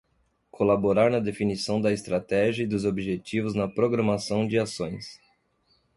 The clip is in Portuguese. Colaborar na definição da estratégia e dos objetivos na programação de ações.